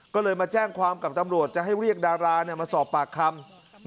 ก็เลยมาแจ้งความกับตำรวจจะให้เรียกดารามาสอบปากคำ